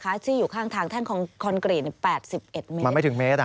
เพราะที่อยู่ข้างทางแท่งคอนกรีต๘๑เมตร